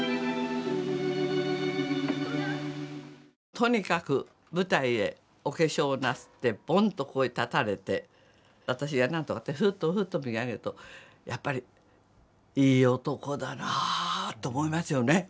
とにかく舞台へお化粧なすってぼんとここへ立たれて私が何とかってふっとふっと見上げるとやっぱり「いい男だなあ」と思いますよね。